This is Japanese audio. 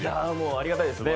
ありがたいですね